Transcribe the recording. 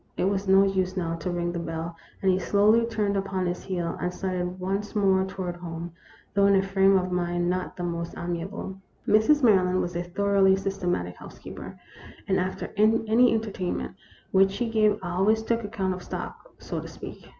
It was no use, now, to ring the bell, and he slowly turned upon his heel, and started once more toward home, though in a frame of mind not the most amiable. Mrs. Maryland was a thoroughly systematic house keeper, and after any entertainment which she gave always took account of stock, so to speak.